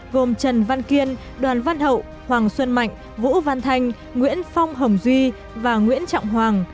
gồm trần văn kiên đoàn văn hậu hoàng xuân mạnh vũ văn thanh nguyễn phong hồng duy và nguyễn trọng hoàng